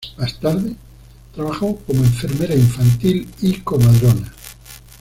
Más tarde trabajó como enfermera infantil y comadrona.